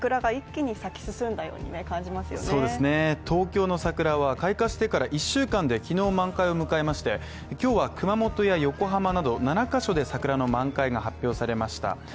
東京の桜は、開花してから１週間で昨日満開を迎えまして、今日は熊本や横浜など７カ所で桜の満開が発表されました。